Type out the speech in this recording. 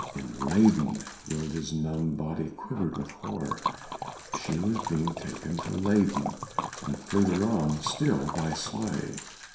In Leyden! Gilda's numbed body quivered with horror. She was being taken to Leyden and further on still by sleigh!